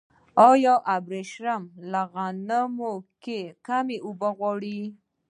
آیا وربشې له غنمو کمې اوبه غواړي؟